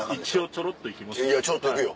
ちょろっと行くよ。